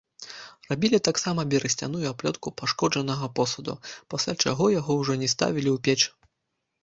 Рабілі таксама берасцяную аплётку пашкоджанага посуду, пасля чаго яго ўжо не ставілі ў печ.